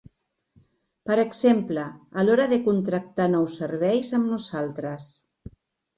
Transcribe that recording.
Per exemple, a l'hora de contractar nous serveis amb nosaltres.